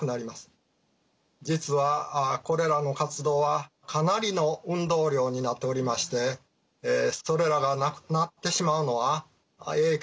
実はこれらの活動はかなりの運動量になっておりましてそれらがなくなってしまうのは影響が大きいんです。